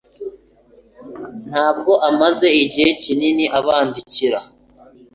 Ntabwo amaze igihe kinini abandikira